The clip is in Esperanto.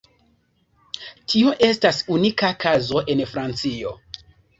Tio estas unika kazo en Francio.